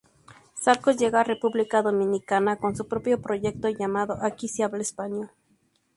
Sarcos llega a República Dominicana con su propio proyecto llamado "Aquí se habla español".